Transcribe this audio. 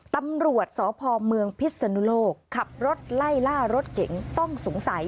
ตำรวจสพเมืองพิศนุโลกขับรถไล่ล่ารถเก๋งต้องสงสัย